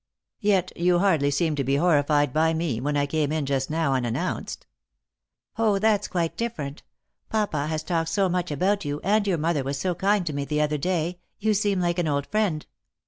" Yet you hardly seemed to be horrified by me when I came in just now unannounced." " 0, that's quite different ; papa has talked so much about you, and your mother was so kind to me the other day, you seem like an old friend."